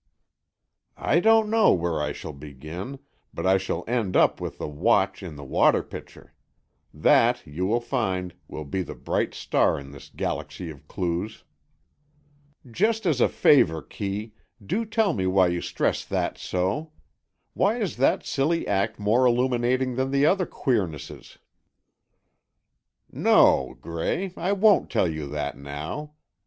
"I don't know where I shall begin, but I shall end up with the watch in the water pitcher. That, you will find, will be the bright star in this galaxy of clues." "Just as a favour, Kee, do tell me why you stress that so. Why is that silly act more illuminating than the other queernesses?" "No, Gray, I won't tell you that now.